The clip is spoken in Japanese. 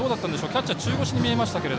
キャッチャー中腰に見えました。